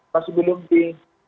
masih belum di